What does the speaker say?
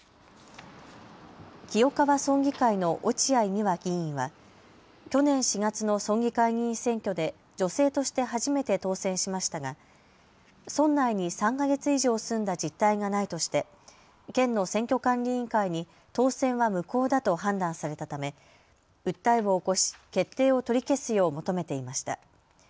清川村議会の落合美和議員は去年４月の村議会議員選挙で女性として初めて当選しましたが村内に３か月以上住んだ実態がないとして県の選挙管理委員会に当選は無効だと判断されたため訴えを起こし決定を取り消すよう求めていました。